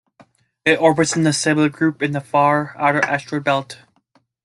It orbits in the Cybele group in the far outer asteroid belt.